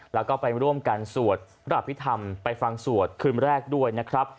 แล้วก็ไปร่วมกันสวดพระอภิษฐรรมไปฟังสวดคืนแรกด้วยนะครับ